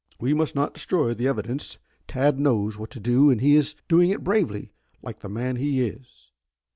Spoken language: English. "We must not destroy the evidence. Tad knows what to do and he is doing it bravely, like the man he is."